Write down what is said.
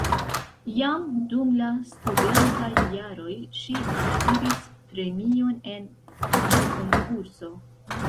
Jam dum la studentaj jaroj ŝi akiris premion en kantokonkurso.